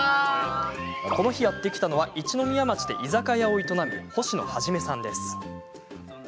この日やって来たのは一宮町で居酒屋を営む星野一さん。